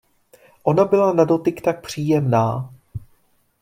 Ona byla na dotyk tak příjemná.